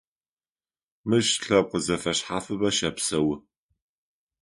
Мыщ лъэпкъ зэфэшъхьафыбэ щэпсэу.